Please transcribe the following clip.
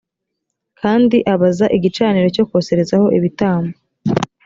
kandi abaza igicaniro cyo koserezaho ibitambo